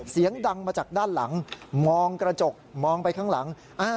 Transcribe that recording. เสียงดังมาจากด้านหลังมองกระจกมองไปข้างหลัง